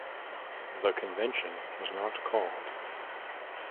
This convention was not called.